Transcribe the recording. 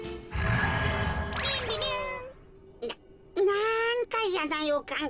なんかやなよかん。